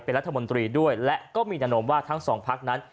เป็นรัฐมนตรีด้วยและก็มีแนะนำว่าทั้งสองพักนั้น